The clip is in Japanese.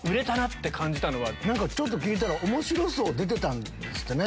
ちょっと聞いたら『おもしろ荘』出てたんですってね。